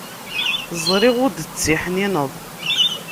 Ẓriɣ ur d-ttiḥnineḍ.